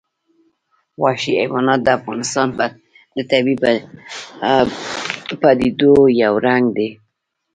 وحشي حیوانات د افغانستان د طبیعي پدیدو یو رنګ دی.